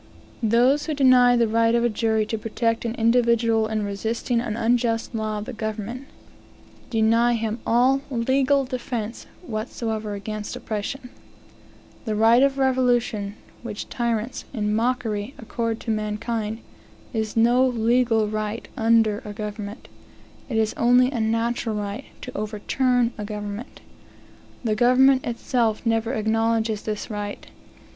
Those who deny the right of a jury to protect an individual in resisting an unjust law of the government, deny him all defence whatsoever against oppression. The right of revolution, which tyrants, in mockery, accord to mankind, is no legal right under a government; it is only a natural right to overturn a government. The government itself never acknowledges this right.